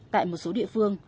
tại một số địa phương